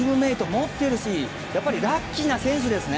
持っているしラッキーな選手ですね。